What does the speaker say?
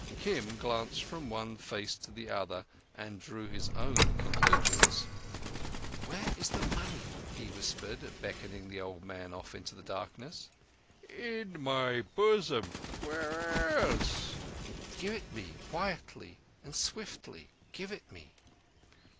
Kim glanced from one face to the other, and drew his own conclusions. "Where is the money?" he whispered, beckoning the old man off into the darkness. "In my bosom. Where else?" "Give it me. Quietly and swiftly give it me."